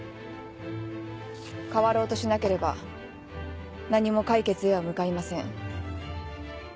変わろうとしなければ何も解決へは向かいません。